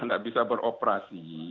tidak bisa beroperasi